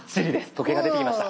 時計が出てきました。